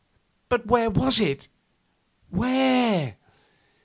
But where was it? Where?